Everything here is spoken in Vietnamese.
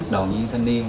đoàn viên thanh niên